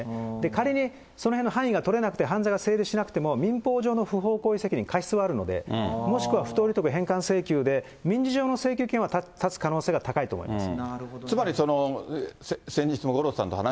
仮に、その辺の範囲が取れなくて犯罪が問えなくても、民法上の不法行為の過失はあるので、もしくは不当利得返還請求で、民事上の請求権はかつ可能性があると思います。